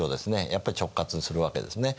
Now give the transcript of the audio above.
やっぱり直轄するわけですね。